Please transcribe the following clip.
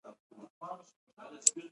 بدخشان د افغانستان طبعي ثروت دی.